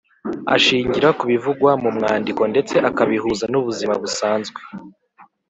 ashingira ku bivugwa mu mwandiko ndetse akabihuza n’ubuzima busanzwe.